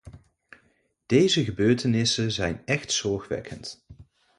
Deze gebeurtenissen zijn echt zorgwekkend.